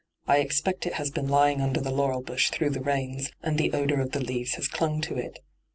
I expect it has been lying under the laurel bush through the rains, and the odour of the leaves has clung to it.